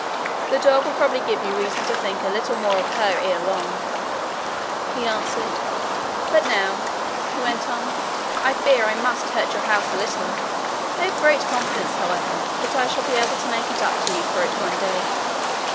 'The dog will probably give you reason to think a little more of her ere long,' he answered. 'But now,' he went on, 'I fear I must hurt your house a little. I have great confidence, however, that I shall be able to make up to you for it one day.'